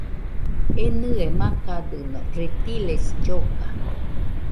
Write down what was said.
Enɨe makadɨno, reptiles lloga